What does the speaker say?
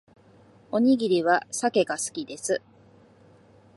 おにぎりはサケが好きです